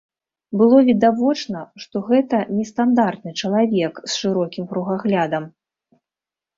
Было відавочна, што гэта не стандартны чалавек з шырокім кругаглядам.